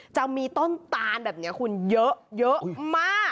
จะมีต้นตานแบบนี้คุณเยอะมาก